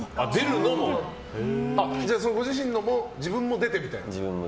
ご自身のも自分も出てみたい？